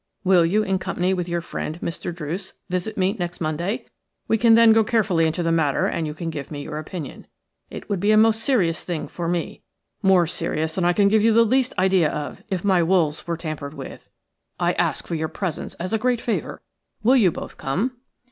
Will you, in company with your friend, Mr. Druce, visit me next Monday? We can then go carefully into the matter and you can give me your opinion. It would be a most serious thing for me, more serious than I can give you the least idea of, if my wolves were tampered with. I ask for your presence as a great favour. Will you both come?'"